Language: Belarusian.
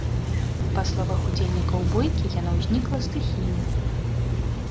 Па словах удзельнікаў бойкі, яна ўзнікла стыхійна.